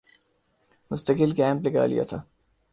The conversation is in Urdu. مستقل کیمپ لگا لیا تھا